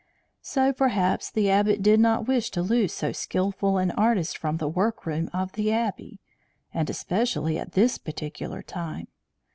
So perhaps the Abbot did not wish to lose so skilful an artist from the work room of the Abbey, and especially at this particular time.